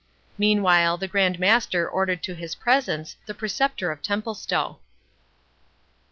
Meanwhile, the Grand Master ordered to his presence the Preceptor of Templestowe.